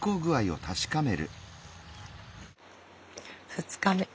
２日目。